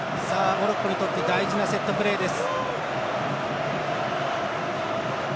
モロッコにとって大事なセットプレーです。